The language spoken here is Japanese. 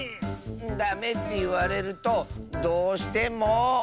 ダメっていわれるとどうしても。